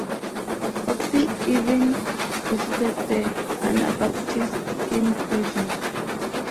Foxe even visited the Anabaptists in prison.